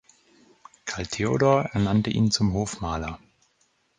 Karl Theodor ernannte ihn zum Hofmaler.